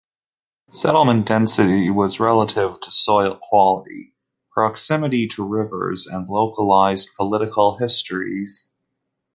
Settlement density was relative to soil quality, proximity to rivers, and localized political histories.